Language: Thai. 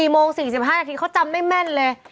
๔โมง๔๕นาทีเขาจำได้แม่นเลย